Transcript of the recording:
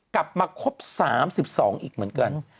กลับมาครบ๓๒อีกเหมือนกัน